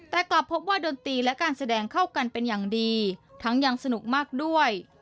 แต่กลับพบว่าดนตรีและการแสดงเข้ากันเป็นอย่างดีทั้งยังสนุกมากด้วย